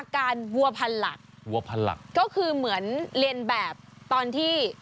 ก็คือเหมือนเรียนแบบตอนที่